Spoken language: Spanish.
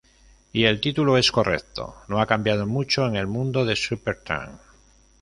Y el título es correcto: no ha cambiado mucho en el mundo de Supertramp.